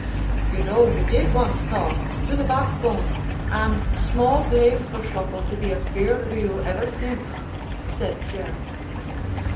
"You know you did, once, Cauth, to the backbone; an' small blame for Shuffle to be afeard o' you ever since," said Jer.